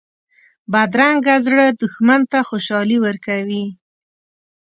بدرنګه زړه دښمن ته خوشحالي ورکوي